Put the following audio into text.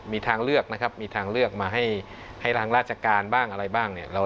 มีทางเลือกนะครับมีทางเลือกมาให้ทางราชการบ้างอะไรบ้างเนี่ย